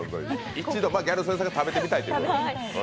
一度、ギャル曽根さんが食べてみたいということで。